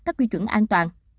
các quy chuẩn an toàn